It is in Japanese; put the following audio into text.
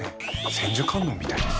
千手観音みたいです。